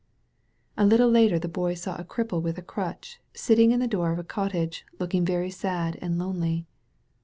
A little later the Boy saw a cripple with a crutch, sitting in the door of a cottage, looking very sad and lonely.